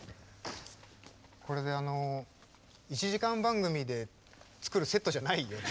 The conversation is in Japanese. これ１時間番組で作るセットじゃないよね。